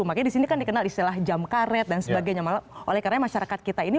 makanya di sini kan dikenal istilah jam karet dan sebagainya oleh masyarakat kita ini